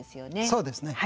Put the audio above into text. そうですね。